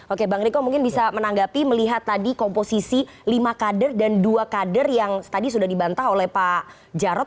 oke bang riko mungkin bisa menanggapi melihat tadi komposisi lima kader dan dua kader yang tadi sudah dibantah oleh pak jarod